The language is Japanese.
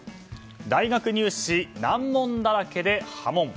大学入試、難問だらけで波紋。